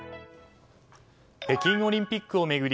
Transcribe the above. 北京オリンピックを巡り